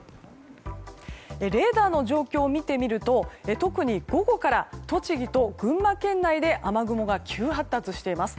レーダーの状況を見てみると特に午後から栃木と群馬県内で雨雲が急発達しています。